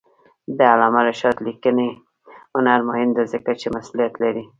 د علامه رشاد لیکنی هنر مهم دی ځکه چې مسئولیت لري.